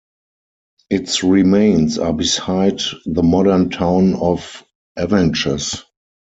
Its remains are beside the modern town of Avenches.